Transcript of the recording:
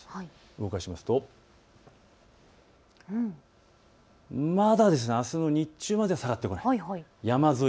動かしますとまだあすの日中までは下がってこない。